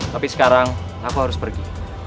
tapi sekarang aku harus pergi